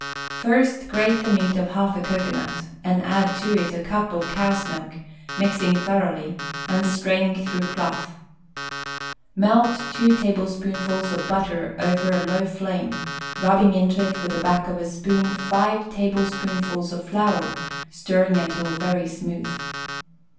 First grate the meat of half a cocoanut, and add to it a cup of (cow's) milk, mixing thoroughly, and straining through cloth. Melt two tablespoonsful of butter over a low flame, rubbing into it with the back of a spoon five tablespoonsful of flour, stirring until very smooth.